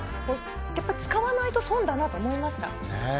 やっぱ使わないと損だなと思いました。